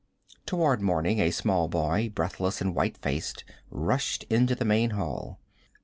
Toward morning a small boy, breathless and white faced, rushed into the main hall.